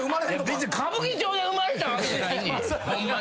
別に歌舞伎町で生まれたわけじゃないねん。